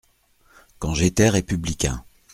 … quand j'étais républicain !